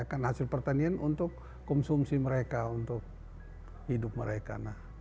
karena hasil pertanian untuk konsumsi mereka untuk hidup mereka